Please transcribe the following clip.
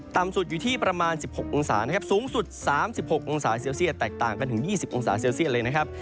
ต่ำสุดอยู่ที่ประมาณ๑๖องศานะครับสูงสุด๓๖องศาเซลเซียตแตกต่างกันถึง๒๐องศาเซลเซียตเลยนะครับ